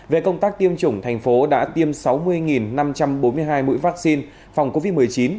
về công tác tiêm chủng thành phố đã tiêm sáu mươi năm trăm bốn mươi hai mũi vaccine phòng covid một mươi chín